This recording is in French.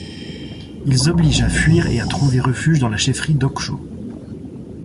Ils obligent à fuir et à trouver refuge dans la chefferie d'Okcho.